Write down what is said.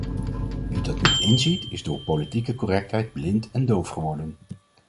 Wie dat niet inziet is door politieke correctheid blind en doof geworden.